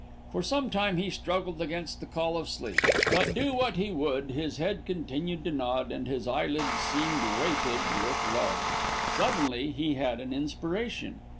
For some time he struggled against the call of sleep; but do what he would, his head continued to nod, and his eyelids seemed weighted with lead. Suddenly he had an inspiration.